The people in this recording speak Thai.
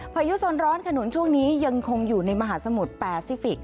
พายุโซนร้อนขนุนช่วงนี้ยังคงอยู่ในมหาสมุทรแปซิฟิกส